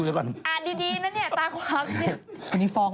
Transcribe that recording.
คุณพี่ฟองไหมคุณพี่ฟอง